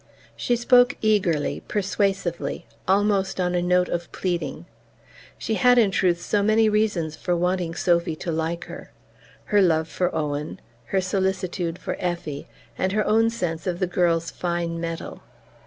She spoke eagerly, persuasively, almost on a note of pleading. She had, in truth, so many reasons for wanting Sophy to like her: her love for Owen, her solicitude for Effie, and her own sense of the girl's fine mettle.